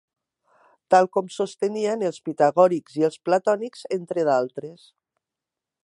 Tal com sostenien els pitagòrics i els platònics, entre d'altres.